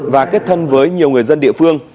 và kết thân với nhiều người dân địa phương